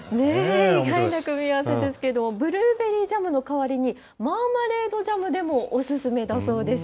意外な組み合わせですけど、ブルーベリージャムの代わりに、マーマレードジャムでもお勧めだそうです。